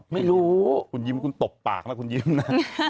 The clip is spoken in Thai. ไม่รู้คุณยิ้มคุณตบปากนะคุณยิ้มนะ